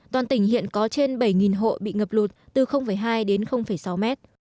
toàn tỉnh hiện có trên bảy hộ bị ngập lụt từ hai đến sáu mét